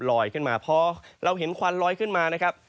ลอยขึ้นมาพอเราเห็นควันลอยขึ้นมานะครับ